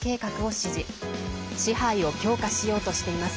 支配を強化しようとしています。